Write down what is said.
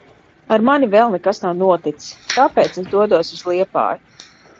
Ar mani vēl nekas nav noticis. Tāpēc es dodos uz Liepāju.